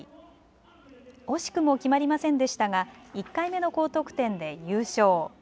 惜しくも決まりませんでしたが１回目の高得点で優勝。